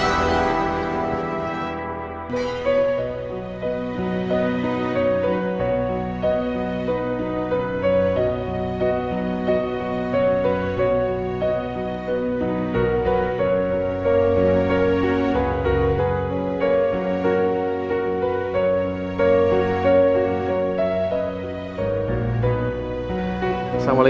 sampai jumpa lagi